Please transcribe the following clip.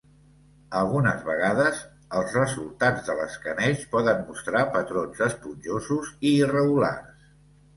Algunes vegades, els resultats de l'escaneig poden mostrar patrons esponjosos i irregulars.